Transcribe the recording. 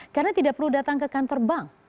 karena tidak perlu datang ke kantor bank